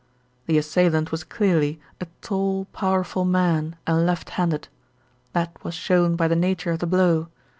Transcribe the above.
"The assailant was clearly a tall, powerful man and left handed. That was shown by the nature of the blow.